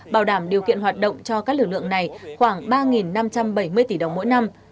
bảo đảm điều kiện hoạt động cho các lực lượng này khoảng ba năm trăm bảy mươi tỷ đồng mỗi năm